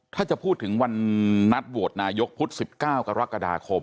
ถ้าจะพูดถึงวันนัดโหวตนายกพุธ๑๙กรกฎาคม